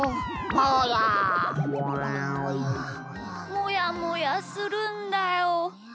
もやもやするんだよ。